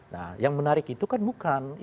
nah yang menarik itu kan bukan